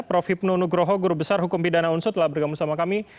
prof hipnu nugroho guru besar hukum bidana unsu telah bergabung sama kami